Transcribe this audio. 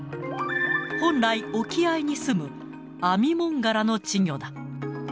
本来、沖合に住むアミモンガラの稚魚だ。